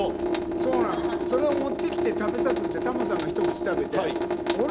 そうなの、それを持ってきて食べさすって、タモさんが一口食べて、あれ？